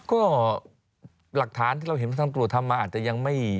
ก็หลักฐานที่เราเห็นว่าทางตรวจทำมาอาจจะยังไม่